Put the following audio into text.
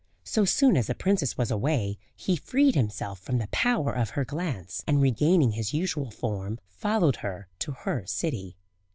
So soon as the princess was away, he freed himself from the power of her glance, and regaining his usual form, followed her to her city.